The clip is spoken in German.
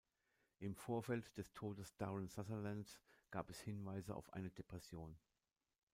Im Vorfeld des Todes Darren Sutherlands gab es Hinweise auf eine Depression.